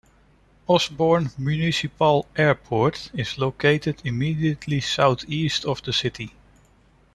Osborne Municipal Airport is located immediately southeast of the city.